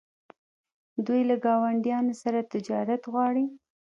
دوی له ګاونډیانو سره تجارت غواړي.